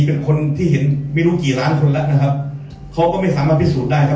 เป็นคนที่เห็นไม่รู้กี่ล้านคนแล้วนะครับเขาก็ไม่สามารถพิสูจน์ได้ครับ